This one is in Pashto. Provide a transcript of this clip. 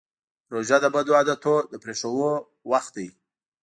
روژه د بدو عادتونو د پرېښودو وخت دی.